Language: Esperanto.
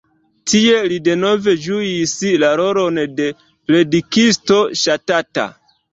Tie li denove ĝuis la rolon de predikisto ŝatata.